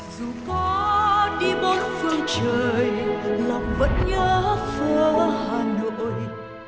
dù có đi bốn phương trời lòng vẫn nhớ phở hà nội